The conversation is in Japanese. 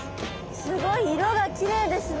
すごい色がきれいですね。